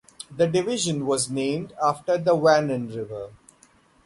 The division was named after the Wannon River.